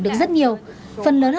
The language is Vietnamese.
được rất nhiều phần lớn học sinh